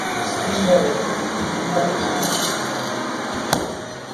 این بار سنگین کار کمرشکن است.